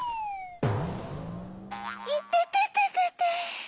いててててて。